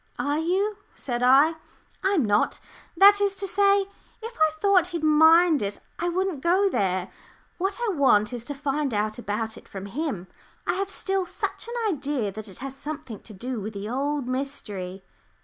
"Are you?" said I. "I'm not. That is to say, if I thought he'd mind it, I wouldn't go there. What I want is to find out about it from him. I have still such an idea that it has something to do with the old mystery."